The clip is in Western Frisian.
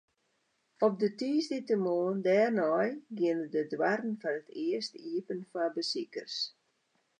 Op de tiisdeitemoarn dêrnei giene de doarren foar it earst iepen foar besikers.